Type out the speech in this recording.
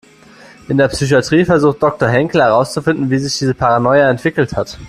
In der Psychatrie versucht Doktor Henkel herauszufinden, wie sich diese Paranoia entwickelt hat.